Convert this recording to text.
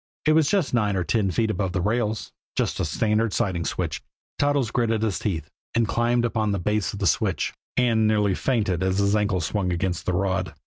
It was just nine or ten feet above the rails just a standard siding switch. Toddles gritted his teeth, and climbed upon the base of the switch and nearly fainted as his ankle swung against the rod.